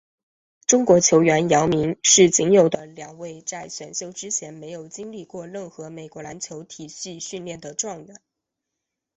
中国球员姚明是仅有的两位在选秀之前没有经历过任何美国篮球体系训练的状元。